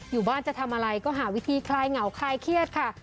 อยู่บ้านจะทำอะไรก็หาวิธีคลายเหงาคลายเครียดค่ะ